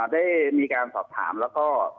ได้มีการสอบถามแล้วก็